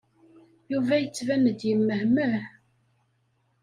Yuba yettban-d yemmehmeh.